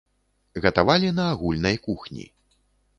Гатавалі на агульнай кухні.